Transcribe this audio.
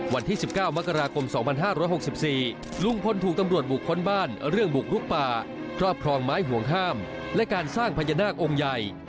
วันที่๑๙มกราคม๒๕๖๔ลุงพลถูกตำรวจบุคคลบ้านเรื่องบุกลุกป่าครอบครองไม้ห่วงห้ามและการสร้างพญานาคองค์ใหญ่